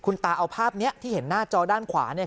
คุณตาเอาภาพนี้ที่เห็นหน้าจอด้านขวาเนี่ย